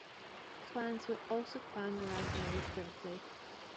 Clans were also found around Ares briefly.